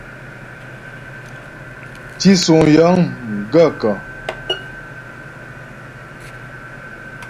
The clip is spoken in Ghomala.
Tísuŋ yəŋ cʉ́ m gaə̂kə̀ ?